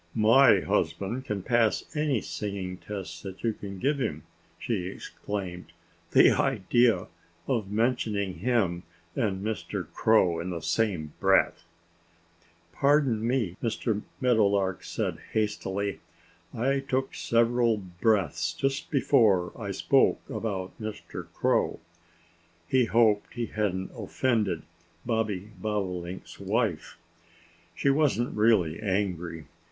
"My husband can pass any singing test that you can give him!" she exclaimed. "The idea of mentioning him and Mr. Crow in the same breath!" "Pardon me!" Mr. Meadowlark said hastily. "I took several breaths just before I spoke about Mr. Crow." He hoped that he hadn't offended Bobby Bobolink's wife. She wasn't really angry.